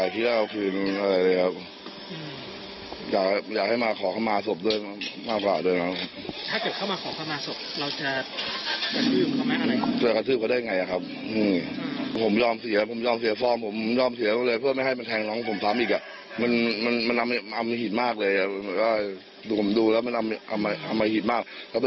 ต้นเรื่องอยู่ข้างหลังผมนะครับ